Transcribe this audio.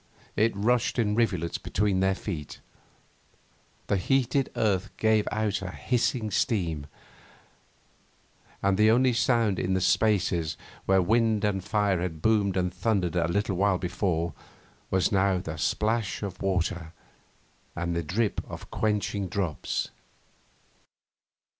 It rushed in rivulets between their feet. The heated earth gave out a hissing steam, and the only sound in the spaces where wind and fire had boomed and thundered a little while before was now the splash of water and the drip of quenching drops.